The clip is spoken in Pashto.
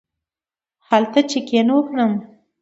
هلته چېک اېن وکړم.